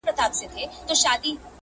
یوه ماشوم ویل بابا خان څه ګناه کړې وه؟٫